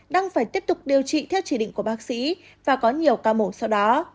đang phải tiếp tục điều trị theo chỉ định của bác sĩ và có nhiều ca mổ sau đó